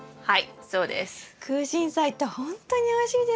はい。